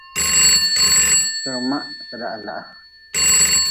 Kpirma kaeda lahaa.